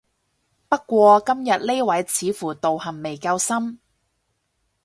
不過今日呢位似乎道行未夠深